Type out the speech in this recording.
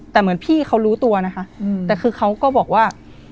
แต่เหมือนพี่เขารู้ตัวนะคะแต่คือเขาก็บอกว่า